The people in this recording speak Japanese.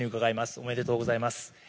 おめでとうございます。